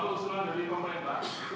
kalau usulan dari pemerintah